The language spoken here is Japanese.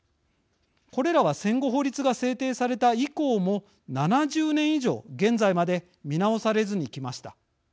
これらは戦後法律が制定された以降も７０年以上現在まで見直されずにきました。